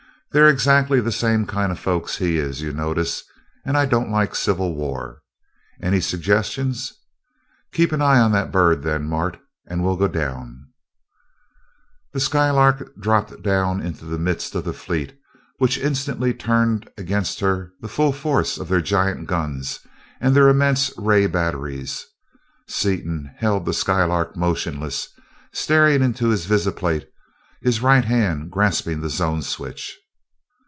They're exactly the same kind of folks he is, you notice, and I don't like civil war. Any suggestions? Keep an eye on that bird, then, Mart, and we'll go down." The Skylark dropped down into the midst of the fleet, which instantly turned against her the full force of their giant guns and their immense ray batteries. Seaton held the Skylark motionless, staring into his visiplate, his right hand grasping the zone switch.